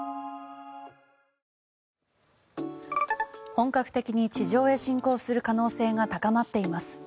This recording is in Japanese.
本格的に地上へ侵攻する可能性が高まっています。